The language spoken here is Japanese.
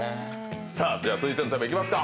では続いていきますか。